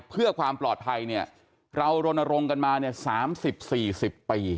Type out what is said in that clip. เพื่อความปลอดภัยเนี้ยเรารณรงค์กันมาเนี้ยสามสิบสี่สิบปี